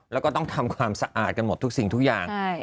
แล้วก็ต้องทำความสะอาดกันหมดทุกสิ่งทุกอย่าง